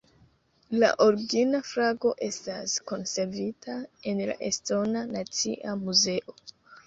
La origina flago estas konservita en la estona nacia muzeo.